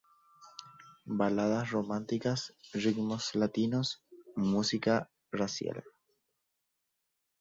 Baladas románticas, ritmos latinos, música racial.